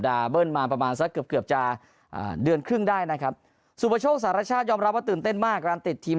ได้นะครับสูบโชคสหรัฐชาติยอมรับว่าตื่นเต้นมากการติดทีม